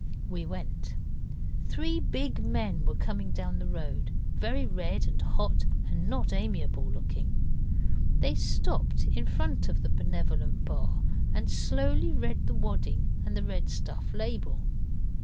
We went. Three big men were coming down the road, very red and hot, and not amiable looking. They stopped in front of the Benevolent Bar and slowly read the wadding and red stuff label.